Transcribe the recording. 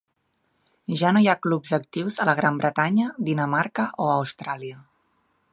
Ja no hi ha clubs actius a la Gran Bretanya, Dinamarca o Austràlia.